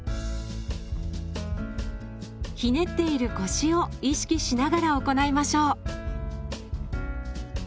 ひねっている腰を意識しながら行いましょう。